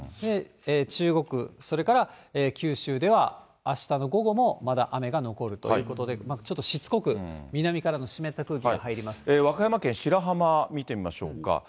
中国、それから九州では、あしたの午後もまだ雨が残るということで、ちょっとしつこく、和歌山県白浜見てみましょうか。